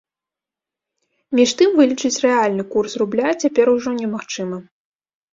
Між тым вылічыць рэальны курс рубля цяпер ужо не магчыма.